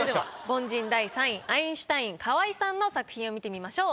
凡人第３位アインシュタイン河井さんの作品を見てみましょう。